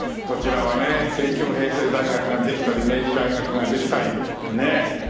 こちらはね帝京平成大学ができたり明治大学ができたりねえ。